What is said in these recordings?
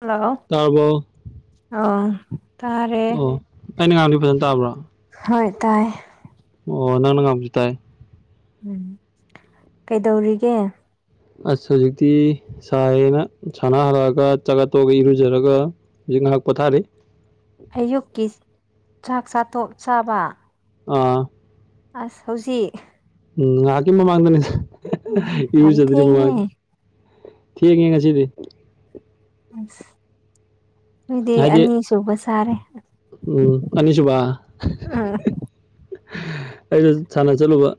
Hello. ꯇꯥꯕꯔꯣ꯫ ꯑꯣ ꯇꯥꯔꯦ꯫ ꯑꯣ ꯑꯩꯅ ꯉꯥꯡꯕꯗꯤ ꯐꯖꯅ ꯇꯥꯕ꯭ꯔꯥ ꯍꯣꯏ ꯇꯥꯏ꯫ ꯑꯣ ꯅꯪꯅ ꯉꯥꯡꯕꯁꯨ ꯇꯥꯏ꯫ ꯎꯝ ꯀꯩꯗꯧꯔꯤꯒꯦ꯫ ꯑꯁ ꯍꯧꯖꯤꯛꯇꯤ ꯁꯥꯏꯌꯦꯅ ꯁꯥꯟꯅꯔꯒ ꯆꯥꯛꯆꯥ ꯇꯣꯛꯑꯒ ꯏꯔꯨꯖꯔꯒ ꯍꯧꯖꯤꯛ ꯉꯥꯍꯥꯛ ꯄꯣꯊꯥꯔꯤ꯫ ꯑꯌꯨꯛꯀꯤ ꯆꯥꯛ ꯆꯥꯊꯣꯛ ꯆꯥꯕ꯫ ꯑꯥ꯫ ꯑꯁ ꯍꯧꯖꯤꯛ꯫ ꯎꯝ ꯉꯥꯍꯥꯛꯀꯤ ꯃꯥꯥꯃꯥꯡꯗꯅꯤꯗ ꯎꯝ ꯌꯥꯝ ꯏꯔꯨꯖꯗ꯭ꯔꯤ ꯊꯦꯡꯉꯦ ꯃꯃꯥꯡ꯫ ꯊꯦꯡꯉꯦ ꯉꯁꯤꯗꯤ꯫ ꯑꯁ꯫ ꯑꯗꯨꯗꯤ ꯍꯥꯏꯗꯤ ꯑꯅꯤ ꯁꯨꯕ ꯁꯥꯔꯦ ꯎꯝ ꯑꯅꯤꯁꯨꯕ꯫ ꯎꯝ ꯑꯩꯗꯨ ꯁꯥꯟꯅ ꯆꯠꯂꯨꯕ꯫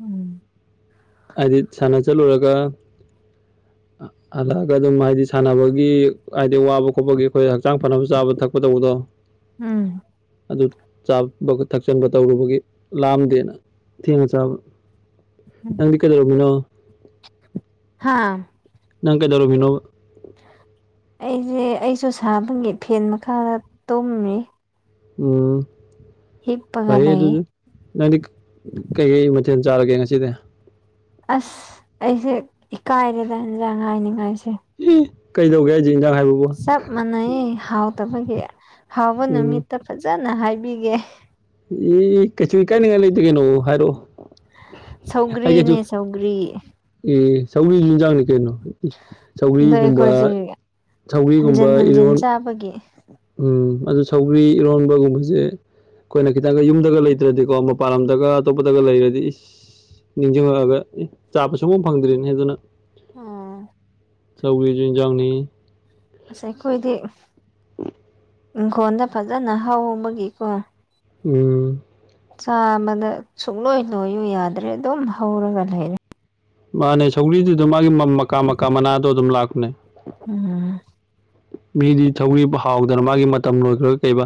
ꯎꯝ꯫ ꯍꯥꯏꯗꯤ ꯁꯥꯟꯅ ꯆꯠꯂꯨꯔꯒ ꯍꯜꯂꯛꯑꯒ ꯑꯗꯨꯝ ꯍꯥꯏꯗꯤ ꯁꯥꯟꯅꯕꯒꯤ ꯍꯥꯏꯗꯤ ꯋꯥꯕ ꯈꯣꯠꯄꯒꯤ ꯑꯩꯈꯣꯏ ꯍꯛꯆꯥꯡ ꯐꯅꯕ ꯆꯥꯕ ꯊꯛꯄ ꯇꯧꯕꯗꯣ꯫ ꯎꯝ꯫ ꯑꯗꯨ ꯆꯥꯕ ꯊꯛꯆꯟꯕ ꯇꯧꯔꯨꯕꯒꯤ ꯂꯥꯝꯗꯦꯅ ꯊꯦꯡꯅ ꯆꯥꯕ꯫ [inaudible] ꯅꯪꯗꯤ ꯀꯩꯗꯧꯔꯝꯃꯤꯅꯣ? ꯍꯥꯥ? ꯅꯪ ꯀꯩꯗꯧꯔꯝꯃꯤꯅꯣꯕ? ꯑꯩꯁꯦ ꯑꯩꯁꯨ ꯁꯥꯕꯒꯤ ꯐꯦꯟ ꯃꯈꯥꯗ ꯇꯨꯝꯃꯤ꯫ ꯎꯝ ꯍꯤꯞꯄꯒ ꯐꯩꯌꯦ ꯂꯩꯌꯦ ꯑꯗꯨꯖꯨ꯫ ꯅꯪꯗꯤ ꯀꯩꯀꯩ ꯃꯊꯦꯟ ꯆꯥꯔꯒꯦ ꯉꯁꯤꯗꯤ꯫ ꯑꯁ ꯑꯩꯁꯦ ꯏꯀꯥꯏꯔꯦꯗ ꯏꯟꯖꯥꯡ ꯍꯥꯏꯅꯤꯡꯉꯥꯏꯁꯦ꯫ ꯏ ꯀꯩꯗꯧꯒꯦ ꯍꯥꯏꯖꯦ ꯏꯟꯖꯥꯡ ꯍꯥꯏꯕꯕꯨ꯫ ꯆꯞ ꯃꯥꯟꯅꯩ ꯍꯥꯎꯇꯕꯒꯤ ꯍꯥꯎꯕ ꯎꯝ ꯅꯨꯃꯤꯠꯇ ꯐꯖꯅ ꯍꯥꯏꯕꯤꯒꯦ꯫ ꯏ ꯀꯩꯁꯨ ꯏꯀꯥꯏꯅꯤꯡꯉꯥꯏ ꯂꯩꯇꯦ ꯀꯩꯅꯣ ꯍꯥꯏꯔꯛꯑꯣ꯫ ꯑꯩ ꯀꯩꯁꯨ ꯁꯧꯒꯔꯤꯅꯦ ꯁꯧꯒꯔꯤ꯫ ꯏ ꯁꯧꯒꯔꯤꯖꯨ ꯏꯟꯖꯥꯡꯅꯤ ꯀꯩꯅꯣ꯫ ꯏ ꯑꯗꯣ ꯁꯧꯒ꯭ꯔꯤꯒꯨꯝꯕ ꯑꯩꯈꯣꯏꯁꯦ ꯁꯧꯒꯔꯤꯒꯨꯝꯕ ꯍꯟꯖꯤꯟ ꯍꯟꯖꯤꯟ ꯏꯔꯣꯟ ꯆꯥꯕꯒꯤ꯫ ꯎꯝ ꯑꯗꯨ ꯁꯧꯒ꯭ꯔꯤ ꯏꯔꯣꯟꯕꯒꯨꯝꯕꯖꯦ ꯑꯩꯈꯣꯏꯅ ꯈꯤꯇꯪꯒ ꯌꯨꯝꯗꯒ ꯂꯩ ꯇ꯭ꯔꯗꯤꯀꯣ ꯃꯄꯥꯟꯂꯝꯗꯒ ꯑꯇꯣꯞꯄꯗꯒ ꯂꯩꯔꯗꯤ ꯏꯁ ꯅꯤꯡꯖꯤꯡꯉꯒ ꯆꯥꯕ ꯁꯨꯡꯐꯪ ꯐꯪꯗ꯭ꯔꯤꯅꯦ ꯑꯗꯨꯅ ꯎꯝ꯫ ꯁꯧꯒꯔꯤꯖꯨ ꯏꯟꯖꯥꯡꯅꯤ ꯑꯁ ꯑꯩꯈꯣꯏꯒꯤ ꯏꯪꯈꯣꯟꯗ ꯐꯖꯅ ꯍꯧꯕꯒꯤꯀꯣ ꯎꯝ ꯆꯥꯕꯗ ꯁꯨꯡꯂꯣꯏ ꯂꯣꯏꯌꯨ ꯌꯥꯗ꯭ꯔꯦ ꯑꯗꯨꯝ ꯍꯧꯔꯒ ꯂꯩꯔꯦ ꯃꯥꯅꯦ ꯁꯧꯒ꯭ꯔꯤꯗꯨꯗ ꯃꯥꯒꯤ ꯃꯀꯥ ꯃꯀꯥ ꯃꯅꯥꯗꯣ ꯑꯗꯨꯝ ꯂꯥꯛꯄꯅꯦ ꯎꯝ ꯃꯤꯗꯤ ꯁꯧꯒꯔꯤꯕꯨ ꯍꯥꯎꯗꯅ ꯃꯥꯒꯤ ꯃꯇꯝ ꯂꯣꯏꯈ꯭ꯔꯒ ꯀꯩꯕ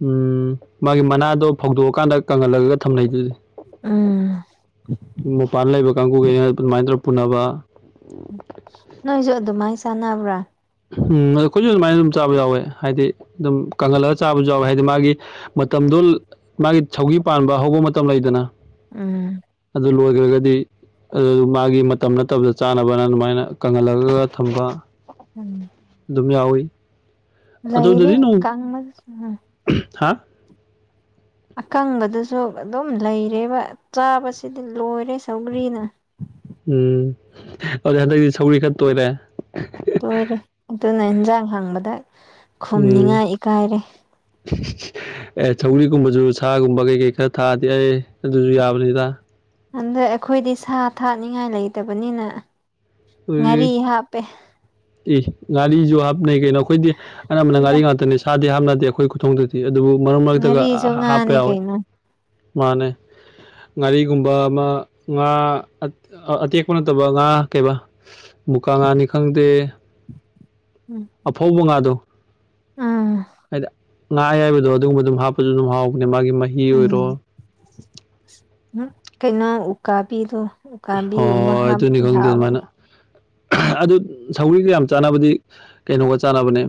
ꯎꯝ ꯃꯥꯒꯤ ꯃꯅꯥꯗꯣ ꯐꯧꯗꯣꯛꯑꯀꯥꯟꯗ ꯀꯪꯍꯜꯂꯒꯒ ꯊꯝꯅꯩꯗꯨꯗꯤ ꯎꯝ ꯃꯄꯥꯟ ꯂꯩꯕ ꯀꯥꯡꯕꯨꯨꯒꯩꯅ ꯑꯗꯨꯃꯥꯏ ꯇꯧꯔ ꯄꯨꯅꯕ ꯅꯣꯏꯁꯨ ꯑꯗꯨꯃꯥꯏ ꯆꯥꯟꯅꯕ꯭ꯔꯥ ꯎꯝ ꯑꯩꯈꯣꯏꯖꯨ ꯑꯗꯨꯃꯥꯏꯅ ꯑꯗꯨꯝ ꯆꯥꯕ ꯌꯥꯎꯋꯦ ꯍꯥꯏꯗꯤ ꯑꯗꯨꯝ ꯀꯪꯍꯜꯂꯒ ꯆꯥꯕꯁꯨ ꯌꯥꯎꯋꯦ ꯍꯥꯏꯗꯤ ꯃꯥꯒꯤ ꯃꯇꯝꯗꯣ ꯃꯥꯒꯤ ꯁꯧꯒꯔꯤ ꯄꯥꯟꯕ ꯍꯧꯕ ꯃꯇꯝ ꯂꯩꯗꯅ ꯎꯝ ꯑꯗꯨ ꯂꯣꯏꯒ꯭ꯔꯒꯗꯤ ꯑꯗꯨ ꯃꯥꯒꯤ ꯃꯇꯝ ꯅꯠꯇꯕꯗ ꯆꯥꯅꯕꯅ ꯑꯗꯨꯃꯥꯏꯅ ꯀꯪꯍꯜꯂꯒꯒ ꯊꯝꯕ ꯎꯝ ꯑꯗꯨꯝ ꯌꯥꯎꯋꯤ ꯂꯩꯥꯔꯤ ꯀꯪꯕ ꯎꯝ ꯍꯥꯥ ꯑꯀꯪꯕꯗꯨꯁꯨ ꯑꯗꯨꯝ ꯂꯩꯔꯤꯕ ꯆꯥꯕꯁꯤꯗꯤ ꯂꯣꯏꯔꯦ ꯁꯧꯒ꯭ꯔꯤꯅ ꯎꯝ ꯑꯗꯨꯗꯤ ꯍꯟꯗꯛꯇꯤ ꯁꯧꯔꯤ ꯈꯔ ꯇꯣꯏꯔꯦ ꯇꯣꯏꯔꯦ ꯑꯗꯨꯅ ꯏꯟꯖꯥꯡ ꯍꯪꯕꯗ ꯎꯝ ꯈꯨꯝꯅꯤꯡꯉꯥꯏ ꯏꯀꯥꯏꯔꯦ ꯑꯦ ꯁꯧꯒꯔꯤꯒꯨꯝꯕꯖꯨ ꯁꯥꯒꯨꯝꯕ ꯀꯩ ꯀꯩ ꯈꯔ ꯊꯥꯛꯑꯗꯤ ꯑꯦ ꯑꯗꯨꯖꯨ ꯌꯥꯕꯅꯤꯗ ꯑꯗꯩ ꯑꯩꯈꯣꯏꯗꯤ ꯁꯥ ꯊꯥꯅꯤꯡꯉꯥꯏ ꯂꯩꯇꯕꯅꯤꯅ ꯉꯥꯔꯤ ꯍꯥꯞꯄꯦ ꯑꯦ ꯉꯥꯔꯤꯖꯨ ꯍꯥꯞꯅꯩ ꯀꯩꯅꯣ ꯑꯩꯈꯣꯏꯗꯤ ꯑꯅꯝꯕꯅ ꯉꯥꯥꯔꯤ ꯉꯥꯛꯇꯅꯦ ꯁꯥꯗꯤ ꯍꯥꯞꯅꯗꯦ ꯑꯩꯈꯣꯏ ꯈꯨꯊꯣꯡꯗꯗꯤ ꯑꯗꯨꯕꯨ ꯃꯔꯛ ꯃꯔꯛꯇꯒ ꯉꯥꯔꯤꯁꯨ ꯍꯥꯞꯄ ꯉꯥꯅꯤ ꯌꯥꯎꯋꯦ ꯀꯩꯅꯣ ꯃꯥꯅꯦ ꯉꯥꯔꯤꯒꯨꯝꯕ ꯑꯃ ꯉꯥ ꯑꯇꯦꯛꯄ ꯅꯠꯇꯕ ꯉꯥ ꯀꯩꯕꯥ ꯃꯨꯀꯥ ꯉꯥꯅꯤ ꯈꯪꯗꯦ ꯎꯝ ꯑꯐꯧꯕ ꯉꯥꯗꯣ ꯎꯝ ꯍꯥꯏꯗꯤ ꯉꯥ ꯑꯌꯥꯏꯕꯗꯣ ꯑꯗꯨꯒꯨꯝꯕ ꯑꯗꯨꯝ ꯍꯥꯞꯄꯖꯨ ꯑꯗꯨꯝ ꯍꯥꯎꯕꯅꯦ ꯃꯥꯒꯤ ꯃꯍꯤ ꯑꯣꯏꯔꯣ ꯎꯝ ꯀꯩꯅꯣ ꯎꯀꯥꯕꯤꯗꯣ ꯎꯀꯥꯕꯤ ꯒꯨꯝꯕ ꯍꯣꯏ ꯑꯗꯨꯅꯤ ꯍꯥꯥꯞꯄꯗꯤ ꯈꯪꯗꯦ ꯑꯗꯨꯃꯥꯏꯅ ꯍꯥꯥꯎꯕꯅꯦ ꯑꯗꯨ ꯁꯧꯒꯔꯤꯒ ꯌꯥꯝ ꯆꯥꯟꯅꯕꯗꯤ ꯀꯩꯅꯣꯒ ꯆꯥꯟꯅꯕꯅꯦ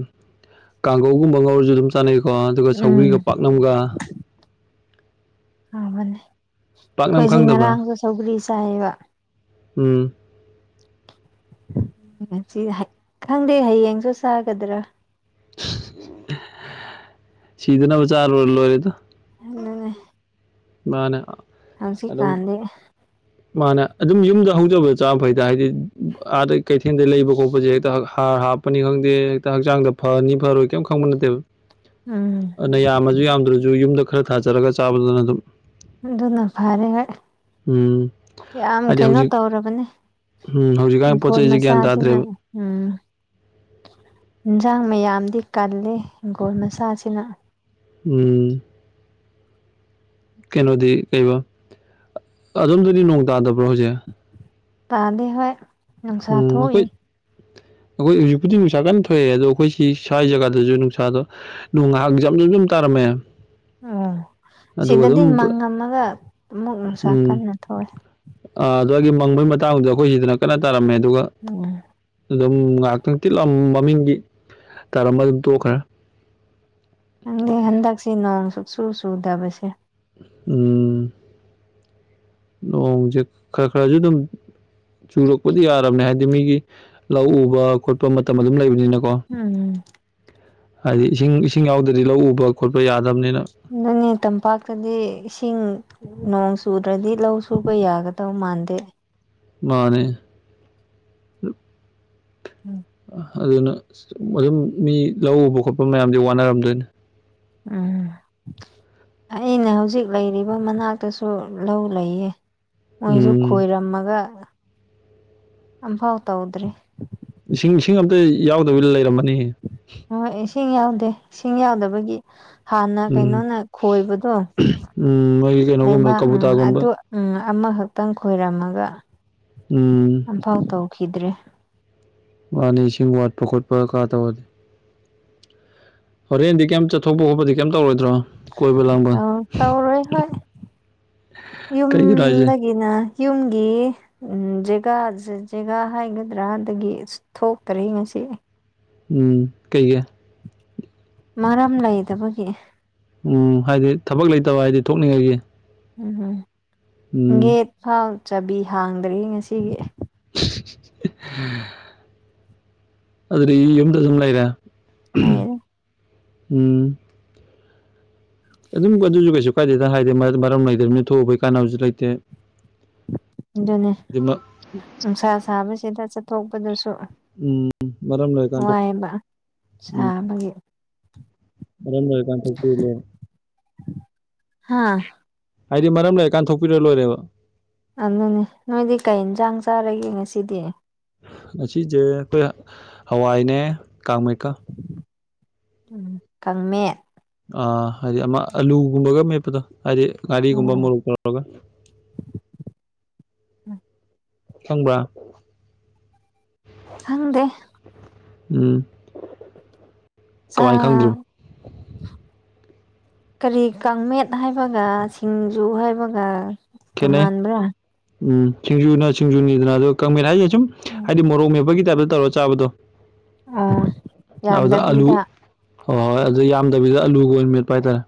ꯀꯥꯡꯒꯧꯒꯨꯝꯕ ꯉꯧꯔꯖꯨ ꯑꯗꯨꯝ ꯆꯥꯅꯩꯀꯣ ꯑꯗꯨꯒ ꯁꯧꯒ꯭ꯔꯤꯒ ꯎꯝ ꯄꯥꯛꯅꯝꯒ ꯍꯥꯎꯕꯅꯦ ꯄꯥꯛꯅꯝ ꯑꯩꯈꯣꯏꯁꯦ ꯈꯪꯗꯕ꯭ꯔꯥ ꯉꯔꯥꯡꯖꯨ ꯁꯧꯒꯔꯤ ꯆꯥꯏꯌꯦꯕ ꯎꯝ ꯉꯁꯤ ꯍ ꯈꯪꯗꯦ ꯍꯌꯦꯡꯖꯨ ꯆꯥꯒꯗ꯭ꯔꯥ ꯁꯤꯗꯅꯕ ꯆꯥ ꯂꯣꯏ ꯂꯣꯏꯔꯦꯗ ꯎꯝ ꯃꯥꯅꯦ ꯍꯧꯖꯤꯛꯀꯥꯟꯗꯤ ꯃꯥꯅꯦ ꯑꯗꯨꯝ ꯌꯨꯝꯗ ꯍꯧꯖꯕꯗ ꯆꯥ ꯐꯩꯗ ꯍꯥꯏꯗꯤ ꯑꯥꯗꯩ ꯀꯩꯊꯦꯜꯗꯩ ꯂꯩꯕ ꯒꯨꯝꯕꯖꯦ ꯍꯦꯛꯇ ꯍꯥ ꯍꯥ ꯄꯨꯅꯤꯡꯉꯥꯛꯇꯦ ꯍꯦꯛꯇ ꯍꯛꯆꯥꯡꯗ ꯐꯅꯤ ꯐꯔꯣꯏ ꯀꯩꯝ ꯈꯪꯕ ꯅꯠꯇꯦꯕ ꯎꯝ ꯑꯗꯨꯅ ꯌꯥꯝꯃꯁꯨ ꯌꯥꯝꯗ꯭ꯔꯥꯁꯨ ꯌꯨꯝꯗ ꯈꯔ ꯊꯥꯖꯔꯒ ꯆꯥꯕꯗꯨꯅ ꯑꯗꯨꯝ ꯑꯗꯨꯅ ꯐꯔꯦ ꯍꯣꯏ ꯎꯝ ꯌꯥꯝ ꯍꯥꯏꯗꯤ ꯀꯩꯅꯣ ꯍꯧꯖꯤꯛ ꯇꯧꯔꯕꯅꯦ ꯎꯝ ꯍꯧꯖꯤꯛꯀꯥꯟ ꯄꯣꯠ ꯏꯪꯈꯣꯜ ꯆꯩꯁꯦ ꯒ꯭ꯌꯥꯟ ꯃꯆꯥꯁꯤꯅ ꯇꯥꯗ꯭ꯔꯦꯕ ꯎꯝ ꯏꯟꯖꯥꯡ ꯃꯌꯥꯝꯗꯤ ꯀꯜꯂꯤ ꯍꯤꯡꯒꯣꯜ ꯃꯆꯥꯁꯤꯅ ꯎꯝ꯫ ꯀꯩꯅꯣꯗꯤ ꯀꯩꯕ ꯑꯗꯣꯝꯗꯨꯗꯤ ꯅꯣꯡ ꯇꯥꯗꯕ꯭ꯔꯣ ꯍꯧꯖꯤꯛ ꯇꯥꯗꯦ ꯍꯣꯏ ꯅꯨꯡꯁꯥ ꯎꯝ ꯊꯣꯛꯏ ꯑꯩꯈꯣꯏ ꯑꯩꯈꯣꯏ ꯍꯧꯖꯤꯛꯄꯨꯗꯤ ꯅꯨꯡꯁꯥ ꯀꯟꯅ ꯊꯣꯛꯑꯦ ꯑꯗꯣ ꯑꯩꯈꯣꯏ ꯁꯤ ꯁ꯭ꯋꯥꯏ ꯖꯒꯥꯗꯁꯨ ꯅꯨꯡꯁꯥꯗꯣ ꯅꯣꯡ ꯉꯥꯏꯍꯥꯛ ꯖꯝ ꯖꯝ ꯖꯝ ꯇꯥꯔꯝꯃꯦ ꯑꯣ ꯑꯗꯨꯒ ꯁꯤꯗꯗꯤ ꯑꯗꯨꯝ ꯃꯪꯉꯝꯃꯒ ꯑꯃꯨꯛ ꯅꯨꯡꯁꯥ ꯀꯟꯅ ꯊꫭꯛꯑꯦ ꯑ ꯑꯗꯨꯋꯥꯏꯒꯤ ꯃꯪꯕꯩ ꯃꯇꯥꯡꯗꯨꯗ ꯑꯩꯈꯣꯏ ꯁꯤꯗꯅ ꯀꯟꯅ ꯇꯥꯔꯝꯃꯦ ꯑꯗꯨꯒ ꯑꫭ ꯑꯗꯨꯝ ꯉꯥꯍꯥꯛꯇꯪ ꯇꯤꯠ ꯂꯥꯎꯅ ꯃꯃꯤꯡꯒꯤ ꯇꯥꯔꯝꯕ ꯑꯗꯨꯝ ꯇꯣꯛꯈ꯭ꯔꯦ ꯈꯪꯗꯦ ꯍꯟꯗꯛꯁꯦ ꯅꯣꯡ ꯁꯨꯡꯆꯨ ꯆꯨꯗꯕꯁꯦ ꯎꯝ꯫ ꯅꯣꯡꯖꯦ ꯈꯔ ꯈꯔꯁꯨ ꯑꯗꯨꯝ ꯆꯨꯔꯛꯄꯗꯤ ꯌꯥꯔꯕꯅꯦ ꯍꯥꯏꯗꯤ ꯃꯤꯒꯤ ꯂꯧ ꯎꯕ ꯈꯣꯠꯄ ꯃꯇꯝ ꯑꯗꯨꯝ ꯂꯩꯕꯅꯤꯅ ꯎꯝ꯫ ꯍꯥꯏꯗꯤ ꯏꯁꯤꯡ ꯏꯁꯤꯡ ꯌꯥꯎꯗ꯭ꯔꯥꯗꯤ ꯂꯧ ꯎꯕ ꯈꯣꯠꯄ ꯌꯥꯗꯕꯅꯤꯅ ꯑꯗꯨꯅꯦ ꯇꯝꯄꯥꯛꯇꯗꯤ ꯏꯁꯤꯡ ꯅꯣꯡ ꯆꯨꯗ꯭ꯔꯥꯗꯤ ꯂꯧ ꯁꯨꯕ ꯌꯥꯒꯗꯧ ꯃꯥꯟꯗꯦ ꯃꯥꯅꯦ ꯎꯝ꯫ ꯑꯗꯨꯅ ꯑꯁ ꯑꯗꯨꯝ ꯃꯤ ꯂꯧ ꯎꯕ ꯈꯣꯠꯄ ꯃꯌꯥꯝꯗꯤ ꯋꯥꯅꯔꯝꯗꯣꯏꯅꯤ ꯎꯝ꯫ ꯑꯩꯅ ꯍꯧꯖꯤꯛ ꯂꯩꯔꯤꯕ ꯃꯅꯥꯛꯇꯁꯨ ꯂꯧ ꯂꯩꯌꯦ ꯃꯣꯏꯁꯨ ꯎꯝ ꯈꯣꯏꯔꯝꯃꯒ ꯑꯝꯐꯥꯎ ꯇꯧꯗꯔꯤ ꯏꯁꯤꯡ ꯏꯁꯤꯡ ꯑꯝꯇ ꯌꯥꯎꯗꯕꯤ ꯂꯩꯔꯝꯃꯅꯤꯍꯦ ꯍꯣꯏ ꯏꯁꯤꯡ ꯌꯥꯎꯗꯦ ꯏꯁꯤꯡ ꯌꯥꯎꯗꯕꯒꯤ ꯍꯥꯟꯅ ꯎꯝ ꯀꯩꯅꯣꯅ ꯈꯣꯏꯕꯗꯣ ꯎꯝ ꯃꯣꯏꯒꯤ ꯀꯩꯅꯣꯒꯨꯝꯕ ꯂꯩꯕꯥꯛ ꯎꯝ ꯀꯕꯨꯇꯥꯒꯨꯝꯕ ꯑꯗꯨ ꯎꯝ ꯑꯃꯈꯛꯇꯪ ꯈꯣꯏꯔꯝꯃꯒ ꯎꯝ꯫ ꯑꯝꯐꯥꯎ ꯇꯧꯈꯤꯗ꯭ꯔꯦ ꯃꯥꯅꯤ ꯏꯁꯤꯡ ꯋꯥꯠꯄ ꯈꯣꯠꯄ ꯀꯥ ꯇꯧꯔꯗꯤ ꯍꯣꯔꯦꯟꯗꯤ ꯀꯩꯝ ꯆꯠꯊꯣꯛ ꯈꯣꯄꯗꯤ ꯀꯩꯝ ꯇꯧꯔꯣꯏꯗ꯭ꯔꯣ ꯀꯣꯏꯕ ꯂꯥꯡꯕ ꯇꯧ ꯇꯧꯔꯣꯏ ꯍꯣꯏ ꯀꯩꯒꯤꯅꯣ ꯌꯨꯝꯗ ꯍꯥꯏꯁꯦ ꯒꯤꯅ ꯌꯨꯝꯒꯤ ꯖꯦꯒꯥ ꯖꯦꯒꯥ ꯍꯥꯏꯒꯗ꯭ꯔꯥꯗꯒꯤ ꯊꯣꯛꯇ꯭ꯔꯦ ꯉꯁꯤ ꯎꯝ ꯀꯩꯒꯤ ꯃꯔꯝ ꯂꯩꯗꯕꯒꯤ ꯎꯝ ꯍꯥꯏꯗꯤ ꯊꯕꯛ ꯂꯩꯇꯕ ꯍꯥꯏꯗꯤ ꯊꯣꯛꯅꯤꯡꯉꯥꯏꯒꯤ ꯎꯝ ꯎꯝ ꯒꯦꯠ ꯐꯥꯎ ꯆꯥꯕꯤ ꯍꯥꯡꯗ꯭ꯔꯤ ꯉꯁꯤꯒꯤ [inaudible] ꯑꯗꯨꯗꯤ ꯌꯨꯝꯗ ꯑꯗꯨꯝ ꯂꯩꯔꯦ ꯂꯩꯔꯦ ꯎꯝ ꯑꯗꯨꯝ ꯑꯗꯨꯁꯨ ꯀꯩꯁꯨ ꯀꯥꯏꯗꯦꯗ ꯍꯥꯏꯗꯤ ꯃ ꯃꯔꯝ ꯂꯩꯇ꯭ꯔꯤꯃꯤꯅꯥ ꯊꯣꯛꯎꯕꯩ ꯀꯥꯟꯅꯕꯁꯨ ꯂꯩꯇꯦ ꯑꯗꯨꯅꯦ ꯍꯥꯏꯗꯤ ꯃ- ꯅꯨꯡꯁꯥ ꯁꯥꯕꯁꯤꯗ ꯆꯠꯊꯣꯛꯄꯗꯨꯁꯨ ꯎꯝ ꯃꯔꯝ ꯂꯩ ꯀꯥꯟ ꯊꯣꯛ ꯋꯥꯏꯕ ꯎꯝ ꯁꯥꯕꯒꯤ ꯃꯔꯝ ꯂꯩꯔꯀꯟ ꯊꯣꯛꯇꯧꯅꯦ ꯍꯥ ꯍꯥꯏꯗꯤ ꯃꯔꯝ ꯂꯩꯔꯀꯥꯟ ꯊꯣꯛꯄꯤꯔ ꯂꯣꯏꯔꯦꯕ ꯑꯗꯨꯅꯦ ꯅꯣꯏꯗꯤ ꯀꯩ ꯏꯟꯁꯥꯡ ꯆꯥꯔꯒꯦ ꯉꯁꯤꯗꯤ ꯉꯁꯤꯁꯦ ꯑꯈꯣꯏ ꯍꯋꯥꯏꯅꯦ ꯀꯥꯡ ꯃꯦꯠꯀꯥ ꯎꯝ ꯀꯪꯃꯦꯠ ꯑ ꯍꯥꯏꯗꯤ ꯑꯃ ꯑꯂꯨꯒꯨꯝꯕꯒ ꯃꯦꯞꯄꯗꯣ ꯍꯥꯏꯗꯤ ꯉꯥꯔꯤꯒꯨꯝꯕ ꯑꯣ ꯃꯣꯔꯣꯛ ꯇꯧꯔꯒꯥ ꯈꯪꯕ꯭ꯔ ꯈꯪꯗꯦ ꯎꯝ ꯆꯥ ꯀꯃꯥꯏꯅ ꯈꯪꯗ꯭ꯔꯤꯕ ꯀꯔꯤ ꯀꯥꯡꯃꯦꯠ ꯍꯥꯏꯕꯒ ꯁꯤꯡꯖꯨ ꯍꯥꯏꯕꯒ ꯈꯦꯠꯅꯩ ꯇꯣꯉꯥꯟꯕ꯭ꯔꯥ ꯎꯝ ꯁꯤꯡꯖꯨꯅ ꯁꯤꯡꯖꯨꯅꯤꯗꯅ ꯑꯗꯨꯒꯥ ꯀꯪꯃꯦꯠ ꯍꯥꯏꯖꯤꯅꯥ ꯁꯨꯝ ꯎꯝ ꯍꯥꯏꯗꯤ ꯃꯣꯔꯣꯛ ꯃꯦꯞꯄꯒꯤ ꯇꯥꯏꯞꯇ ꯇꯧꯔ ꯆꯥꯕꯗꯣ ꯑꯣ ꯑꯗꯨꯗ ꯑꯂꯨ ꯌꯥꯝꯗꯕꯤꯗ ꯍꯣꯏ ꯍꯣꯏ ꯑꯗꯨ ꯌꯥꯝꯗꯕꯤꯗ ꯑꯂꯨꯒ ꯑꯣꯏꯅ ꯃꯦꯠꯄ ꯍꯥꯏꯇꯥꯔꯦ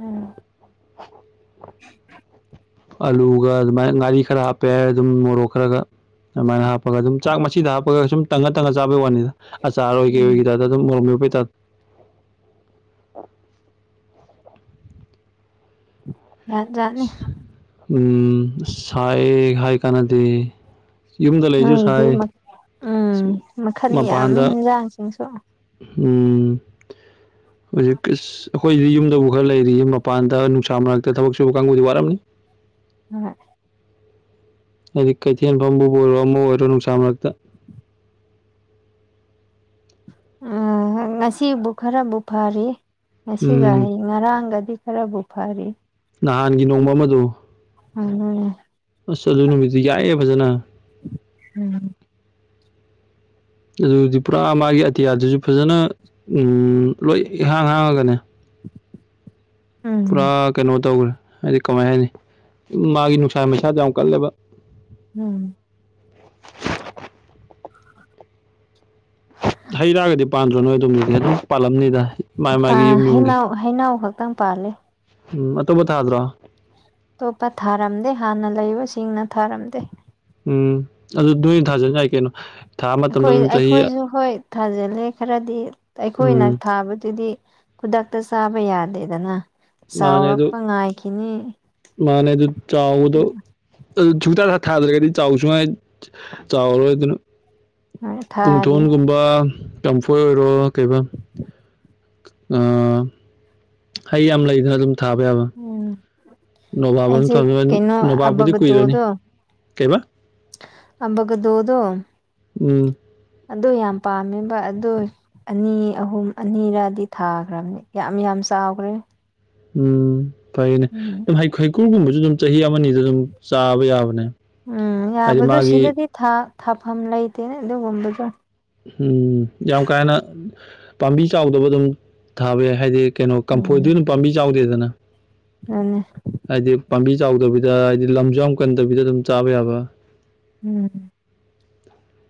ꯎꯝ ꯑꯂꯨꯒ ꯑꯗꯨꯃꯥꯏꯅ ꯉꯥꯔꯤ ꯈꯔ ꯍꯥꯞꯄꯦ ꯑꯗꯨꯝ ꯃꯣꯔꯣꯛ ꯈꯔꯒ ꯑꯗꯨꯃꯥꯏꯅ ꯍꯥꯞꯄꯒ ꯑꯗꯨꯝ ꯆꯥꯛ ꯃꯆꯤꯗ ꯍꯥꯞꯄꯒ ꯁꯨꯝ ꯇꯪꯉ ꯇꯪꯉ ꯆꯥꯕꯩ ꯋꯥꯅꯤꯗ ꯑꯆꯔ ꯑꯣꯏ ꯀꯩ ꯎꯝ ꯑꯣꯏꯒꯤ ꯇꯥꯏꯞꯇꯥ ꯑꯗꯨꯝ ꯃꯣꯔꯣꯛ ꯃꯦꯠꯄꯩ ꯇꯞ ꯖꯠ ꯖꯠꯅꯤ ꯎꯝ ꯁꯥꯏꯌꯦꯍꯥꯏ ꯀꯥꯟꯅꯗꯦ ꯌꯨꯝꯗ ꯂꯩꯔꯁꯨ ꯅꯣꯏꯒꯤꯗꯤ ꯁꯥꯏ ꯃꯄꯥꯟꯗ ꯖꯥꯡꯁꯤꯡꯁꯣ ꯎꯝ ꯍꯧꯖꯤꯛ ꯀꯤꯁ ꯑꯈꯣꯏꯁꯗꯤ ꯌꯨꯝꯗꯕꯨ ꯈꯔ ꯂꯩꯔꯤꯌꯦ ꯃꯄꯥꯟꯗ ꯅꯨꯡꯁꯥ ꯃꯔꯛꯇ ꯊꯕꯛ ꯁꯨꯕ ꯀꯥꯡꯕꯨꯗꯤ ꯋꯥꯔꯝꯅꯤ ꯍꯣꯏ ꯍꯥꯏꯗꯤ ꯀꯩꯊꯦꯜ ꯐꯝꯕꯕꯨ ꯑꯣꯏꯔꯣ ꯑꯃ ꯑꯣꯏꯔꯣ ꯅꯨꯡꯁꯥ ꯃꯔꯛꯇ ꯑꯍꯥ ꯉꯁꯤꯕꯨ ꯈꯔꯕꯨ ꯐꯔꯤꯌꯦ ꯉꯁꯤꯒ ꯎꯝ ꯍꯩ ꯉꯔꯥꯡꯒꯗꯤ ꯈꯔꯕꯨ ꯐꯔꯤ ꯅꯍꯥꯟꯒꯤ ꯅꯣꯡꯃ ꯑꯃꯗꯣ ꯑꯗꯨꯅꯦ ꯑꯁ ꯑꯗꯨ ꯅꯨꯃꯤꯠꯇꯨ ꯌꯥꯛꯑꯦ ꯐꯖꯅ ꯎꯝ ꯑꯗꯨꯗꯤ ꯄꯨꯔꯥ ꯃꯥꯒꯤ ꯑꯇꯤꯌꯥꯗꯨꯁꯨ ꯐꯖꯅ ꯎꯝ ꯂꯣꯏ ꯏꯍꯥꯡ ꯍꯥꯡꯉꯒꯅꯦ ꯄꯨꯔꯥ ꯎꯝ ꯀꯩꯅꯣ ꯇꯧꯈ꯭ꯔꯦ ꯍꯥꯏꯗꯤ ꯀꯃꯥꯏ ꯍꯥꯏꯅꯤ ꯃꯥꯒꯤ ꯅꯨꯡꯁꯥ ꯃꯩꯁꯥꯗ ꯌꯥꯝ ꯀꯜꯂꯦꯕ ꯎꯝ ꯍꯩ ꯔꯥꯒꯗꯤ ꯄꯥꯟꯗ꯭ꯔꯣ ꯅꯣꯏ ꯑꯗꯨꯝꯒꯤꯗꯤ ꯑꯗꯨꯝ ꯄꯥꯜꯂꯝꯅꯤꯗ ꯃꯥꯏ ꯃꯥꯥꯏꯒꯤ ꯌꯨꯝ ꯌꯨꯝꯒꯤ ꯑꯣ ꯍꯩꯅꯧ ꯈꯛꯇꯪ ꯄꯥꯜꯂꯦ ꯎꯝ ꯑꯇꯣꯞꯄ ꯊꯥꯗ꯭ꯔꯣ ꯑꯇꯣꯞꯄ ꯊꯥꯔꯝꯗꯦ ꯍꯥꯟꯅ ꯂꯩꯕꯁꯤꯡꯅ ꯊꯥꯔꯝꯗꯦ ꯎꯝ ꯑꯗꯨ ꯅꯣꯏ ꯊꯥꯖꯟ ꯌꯥꯏ ꯀꯩꯅꯣ ꯊꯥ ꯃꯇꯝꯗ ꯑꯩꯈꯣꯏ ꯑꯗꯨꯝ ꯆꯍꯤ ꯑꯩꯈꯣꯏꯁꯨ ꯍꯣꯏ ꯊꯥꯖꯟꯂꯦ ꯈꯔꯗꯤ ꯑꯩꯈꯣꯏꯅ ꯎꯝ ꯊꯥꯕꯗꯨꯗꯤ ꯈꯨꯗꯛꯇ ꯆꯥꯕ ꯌꯥꯗꯦꯗꯅ ꯃꯥꯅꯦ ꯑꯗꯨ ꯆꯥꯎꯔꯛꯄ ꯉꯥꯏꯈꯤꯅꯤ ꯃꯥꯅꯦ ꯑꯗꯨ ꯆꯥꯎꯕꯗꯨ ꯑꯗꯨ ꯁꯨꯛꯇꯥ ꯊꯥꯗ꯭ꯔꯒꯗꯤ ꯆꯥꯎꯁꯨ ꯆꯥꯎꯔꯔꯣꯢꯗꯨꯅ ꯊꯥꯔꯤ ꯄꯨꯡꯊꯣꯟꯒꯨꯝꯕ ꯀꯝꯐꯣꯏ ꯑꯣꯏꯔꯣ ꯀꯩꯕ ꯑꯥ ꯍꯩ ꯌꯥꯝ ꯂꯩꯗꯅ ꯑꯗꯨꯝ ꯊꯥꯕ ꯌꯥꯕ ꯎꯝ ꯅꯣꯕꯥꯞ ꯑꯃ ꯑꯩꯁꯦ ꯊꯝꯃ ꯀꯩꯅꯣ ꯅꯣꯕꯥꯞꯄꯨꯗꯤ ꯑꯕꯒꯗꯣ ꯀꯨꯏꯔꯅꯤ ꯗꯣ ꯀꯩꯕ ꯑꯝꯕꯒꯗꯣꯗꯣ ꯎꯝ ꯑꯗꯨ ꯌꯥꯝ ꯄꯥꯝꯃꯦꯕ ꯑꯗꯨ ꯑꯅꯤ ꯑꯍꯨꯝ ꯑꯅꯤꯔꯗꯤ ꯊꯥꯈ꯭ꯔꯕꯅꯦ ꯌꯥꯝ ꯌꯥꯝ ꯆꯥꯎꯈ꯭ꯔꯦ ꯎꯝ ꯐꯩꯅꯦ ꯎꯝ ꯍꯩ ꯍꯩꯒ꯭ꯔꯨ ꯒꯨꯝꯕꯁꯨ ꯑꯗꯨꯝ ꯆꯍꯤ ꯑꯃꯅꯤꯗ ꯑꯗꯨꯝ ꯆꯥꯕ ꯌꯥꯕꯅꯦ ꯍꯥꯏꯗꯤ ꯃꯥꯒꯤ ꯊꯥ ꯊꯥꯐꯝ ꯂꯩꯇꯦꯅꯦ ꯑꯗꯨꯒꯨꯝꯕꯗꯣ ꯎꯝ ꯌꯥꯝ ꯀꯥ ꯍꯦꯟꯅ ꯄꯥꯝꯕꯤ ꯆꯥꯎꯗꯕ ꯑꯗꯨꯝ ꯊꯥꯕ ꯌꯥꯏ ꯍꯥꯏꯗꯤ ꯀꯩꯅꯣ ꯎꯝ ꯀꯝꯐꯣꯏꯗꯤ ꯑꯗꯨꯝ ꯄꯥꯝꯕꯤ ꯆꯥꯎꯗꯦꯗꯅ ꯑꯗꯨꯅꯦ ꯍꯥꯏꯗꯤ ꯄꯥꯝꯕꯤ ꯆꯥꯎꯗꯕꯤꯗ ꯍꯥꯏꯗꯤ ꯂꯝꯖꯨ ꯌꯥꯝ ꯀꯟꯗꯕꯤꯗ ꯑꯗꯨꯝ ꯆꯥꯕ ꯌꯥꯕ ꯎꯝ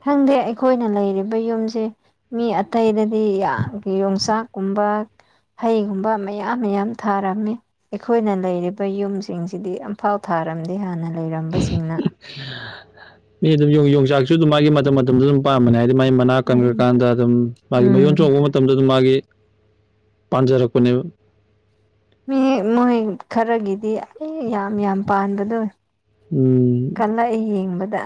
ꯈꯪꯗꯦ ꯑꯩꯈꯣꯏꯅ ꯂꯩꯔꯤꯕ ꯌꯨꯝꯁꯦ ꯃꯤ ꯑꯇꯩꯗꯗꯤ ꯌꯥꯝ ꯌꯣꯡꯆꯥꯛꯒꯨꯝꯕ ꯍꯩꯒꯨꯝꯕ ꯃꯌꯥꯝ ꯃꯌꯥꯝ ꯊꯥꯔꯝꯃꯤ ꯑꯩꯈꯣꯏꯅ ꯂꯩꯔꯤꯕ ꯌꯨꯝꯁꯤꯡꯁꯤꯗꯤ ꯑꯝꯐꯥꯎ ꯊꯥꯔꯝꯗꯦ ꯍꯥꯟꯅ ꯂꯩꯔꯝꯕꯁꯤꯡꯅ ꯃꯤ ꯑꯗꯨꯝ ꯌꯣꯡ ꯌꯣꯡꯆꯥꯛ ꯑꯗꯨꯝ ꯃꯥꯒꯤ ꯃꯇꯝ ꯃꯇꯝꯗ ꯑꯗꯨꯝ ꯄꯥꯟꯕꯅꯦ ꯍꯥꯏꯗꯤ ꯃꯥꯒꯤ ꯃꯅꯥ ꯎꯝ ꯀꯟꯈ꯭ꯔꯀꯥꯟꯗ ꯑꯗꯨꯝ ꯃꯥꯒꯤ ꯎꯝ ꯃꯌꯣꯟ ꯆꯣꯡꯕ ꯃꯇꯝꯗꯨꯗ ꯃꯥꯒꯤ ꯄꯥꯟꯖꯔꯛꯄꯅꯦꯕ ꯃꯤ ꯃꯣꯏ ꯈꯔꯒꯤꯗꯤ ꯑꯦ ꯌꯥꯝ ꯌꯥꯝ ꯄꯥꯟꯕꯗꯣ ꯎꯝ ꯀꯜꯂꯛꯏ ꯌꯦꯡꯕꯗ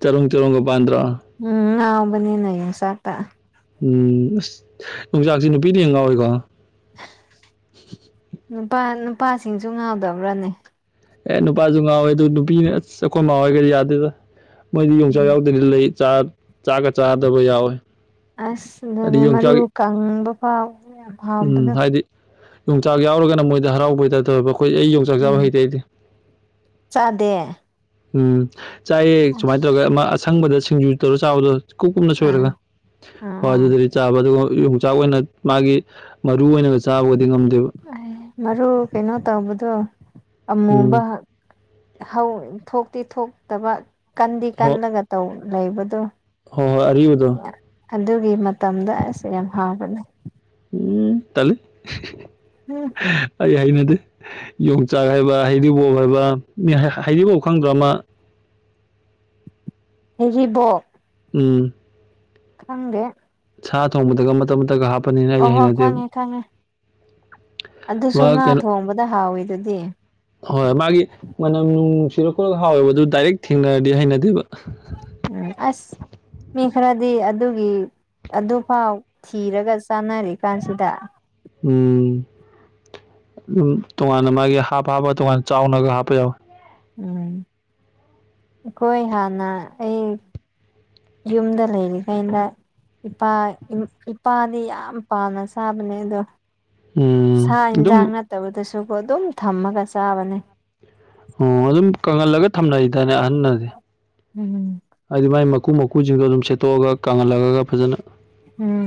ꯆꯔꯣꯡ ꯆꯔꯣꯡꯒ ꯄꯥꯟꯗ꯭ꯔꯣ ꯎꯝ ꯉꯥꯎꯕꯅꯤꯅ ꯌꯣꯡꯆꯥꯛꯇ ꯎꯝ ꯑꯁ ꯌꯣꯡꯆꯥꯛꯁꯤ ꯅꯨꯄꯤꯅ ꯍꯦꯟꯅ ꯉꯥꯎꯋꯤꯀꯣ ꯅꯨꯄꯥ ꯅꯨꯄꯥꯁꯤꯡꯁꯨ ꯉꯥꯎꯗꯕ꯭ꯔꯅꯦ ꯑꯦ ꯅꯨꯄꯥꯁꯨ ꯉꯥꯎꯋꯦ ꯑꯗꯨ ꯅꯨꯄꯤꯅ ꯑꯩꯈꯣꯏ ꯃꯥꯥ ꯈꯣꯏꯒ ꯌꯥꯗꯦꯗ ꯃꯣꯏꯗꯤ ꯌꯣꯡꯆꯥꯛ ꯎꯝ ꯌꯥꯎꯗ꯭ꯔꯗꯤ ꯂꯩ ꯆꯥꯛ ꯆꯥꯛꯒ ꯆꯥꯗꯕ ꯌꯥꯎꯋꯦ ꯑꯁ ꯍꯥꯏꯗꯤ ꯑꯗꯨꯅꯦ ꯃꯔꯨ ꯌꯣꯡꯆꯥꯛ ꯀꯪꯕ ꯐꯥꯎ ꯎꯝ ꯍꯥꯎꯕꯗꯣ ꯍꯥꯏꯗꯤ ꯌꯣꯡꯆꯥꯛ ꯌꯥꯎꯔꯒꯅ ꯃꯣꯏꯗ ꯍꯔꯥꯎꯕꯩ ꯇꯥꯏꯞꯇ ꯇꯧꯋꯤꯕ ꯑꯈꯣꯏ ꯑꯩ ꯌꯣꯡꯆꯥꯛ ꯆꯥꯕ ꯎꯝ ꯍꯩꯇꯦ ꯑꯩꯗꯤ ꯆꯥꯗꯦ ꯎꯝ ꯆꯥꯏꯑꯦ ꯑꯁ ꯁꯨꯃꯥꯏꯅ ꯇꯧꯔꯒ ꯑꯃ ꯑꯁꯪꯕꯗ ꯁꯤꯡꯖꯨ ꯇꯧꯔ ꯆꯥꯕꯗꯨ ꯀꯨꯞ ꯀꯨꯨꯞꯅ ꯑꯥ ꯁꯣꯏꯔꯒ ꯍꯣꯏ ꯑꯥ ꯑꯗꯨꯗ ꯆꯥꯕ ꯑꯗꯨꯒ ꯌꯣꯡꯆꯥꯛ ꯑꯣꯏꯅ ꯃꯥꯒꯤ ꯃꯔꯨ ꯑꯣꯏꯅꯒ ꯆꯥꯕꯒꯗꯤ ꯉꯝꯗꯦꯕ ꯑꯦ ꯃꯔꯨ ꯀꯩꯅꯣ ꯇꯧꯕꯗꯨ ꯑꯃꯨꯕ ꯎꯝ ꯍꯧ ꯊꯣꯛꯇꯤ ꯊꯣꯛꯇꯕ ꯀꯟꯗꯤ ꯍꯣ ꯀꯜꯂꯒ ꯇꯧ ꯂꯩꯕꯗꯣ ꯍꯣꯏ ꯍꯣꯏ ꯑꯔꯤꯕꯗꯣ ꯑꯗꯨꯒꯤ ꯃꯇꯝꯗ ꯑꯁ ꯌꯥꯝ ꯍꯥꯎꯕꯅꯦ ꯎꯝ ꯇꯥꯟꯂꯤ ꯍ [unintelligible] ꯑꯩ ꯍꯩꯅꯗꯦ ꯌꯣꯡꯆꯥꯛ ꯍꯥꯏꯕ ꯍꯩꯔꯤꯕꯣꯕ ꯍꯥꯏꯕ ꯍꯩꯔꯤꯕꯣꯕ ꯈꯪꯗ꯭ꯔꯣ ꯑꯃ ꯍꯩꯔꯤꯕꯣꯕ ꯎꯝ ꯈꯪꯗꯦ ꯁꯥ ꯊꯣꯡꯕꯗꯒ ꯃꯇꯠ-ꯃꯇꯠꯀ ꯍꯥꯞꯄꯅꯤꯅꯦ ꯑꯩ ꯑꯣꯍꯣ ꯍꯩꯅꯗꯦꯕ ꯈꯪꯉꯦ ꯈꯪꯉꯦ ꯑꯗꯨꯁꯨ ꯃꯥ ꯉꯥ ꯀꯩꯅꯣ ꯊꯣꯡꯕꯗ ꯍꯥꯎꯋꯤ ꯑꯗꯨꯗꯤ ꯍꯣꯏ ꯃꯥꯒꯤ ꯃꯅꯝ ꯅꯨꯡꯁꯤꯕ ꯈꯣꯇꯂꯒ ꯍꯥꯎꯋꯦꯕ ꯑꯗꯨ ꯗꯥꯏꯔꯦꯛ ꯊꯦꯡꯅꯔꯗꯤ ꯍꯩꯅꯗꯦꯕ ꯎꯝ ꯑꯁ ꯃꯤ ꯈꯔꯗꯤ ꯑꯗꯨꯒꯤ ꯑꯗꯨꯐꯥꯎ ꯊꯤꯔꯒ ꯆꯥꯟꯅꯔꯤ ꯀꯥꯟꯁꯤꯗ ꯎꯝꯝ ꯇꯣꯉꯥꯟꯅ ꯃꯥꯒꯤ ꯍꯥꯞ ꯍꯥꯞꯄ ꯇꯣꯉꯥꯟꯅ ꯆꯥꯎꯅꯒ ꯍꯥꯞꯄ ꯌꯥꯎꯋꯦ ꯎꯝ ꯑꯩꯈꯣꯏ ꯍꯥꯟꯅ ꯑꯩ ꯌꯨꯝꯗ ꯂꯩꯔꯤꯉꯩꯗ ꯏꯄꯥ ꯏꯄꯥꯗꯤ ꯌꯥꯝ ꯄꯥꯝꯅ ꯆꯕꯅꯦ ꯑꯗꯣ ꯎꯝ ꯁꯥ ꯍꯦꯟꯁꯥꯡ ꯑꯗꯨꯝ ꯅꯠꯇꯕꯗꯁꯨꯀꯣ ꯑꯗꯨꯝ ꯊꯝꯃꯒ ꯆꯥꯕꯅꯦ ꯑꯣ ꯑꯗꯨꯝ ꯀꯪꯍꯜꯂꯒ ꯊꯝꯅꯔꯤꯗꯅꯦ ꯑꯍꯟꯅꯗꯤ ꯎꯝꯝ ꯍꯥꯏꯗꯤ ꯃꯥꯏ ꯃꯀꯨ ꯃꯀꯨꯁꯤꯡꯗꯣ ꯑꯗꯨꯝ ꯁꯦꯠꯇꯣꯛꯑꯒ ꯀꯪꯍꯜꯂꯒꯒ ꯐꯖꯅ ꯎꯝ